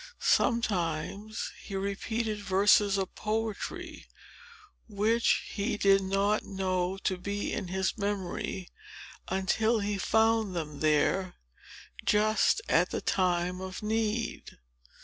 Sometimes he repeated verses of poetry, which he did not know to be in his memory, until he found them there, just at the time of need.